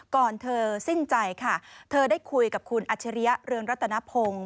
ก่อนเธอสิ้นใจค่ะเธอได้คุยกับคุณอัจฉริยะเรืองรัตนพงศ์